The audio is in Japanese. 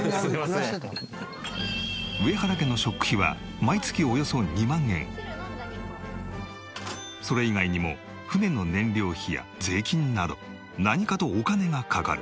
上原家のそれ以外にも船の燃料費や税金など何かとお金がかかる。